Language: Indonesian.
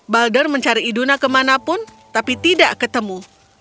balder mencari iduna kemanapun tapi tidak ketemu